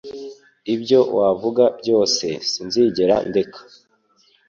Ibyo wavuga byose sinzigera ndeka